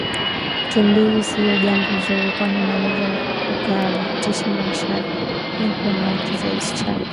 ukimbizi sio jambo zuri kwani unaweza ukahatarisha maisha yako na ya kizazi chako